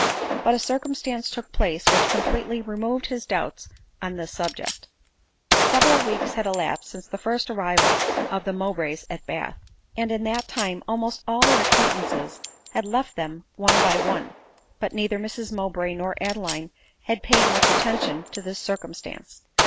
But a circumstance took place which completely removed his doubts on this subject. Several weeks had elapsed since the first arrival of the Mowbrays at Bath, and in that time almost all their ac quaintances had left them one by one ; but neither Mrs Mowbray nor Adeline had paid much attention to this cir cumstance.